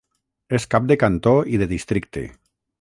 És cap de cantó i de districte.